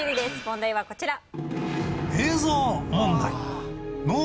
問題はこちら。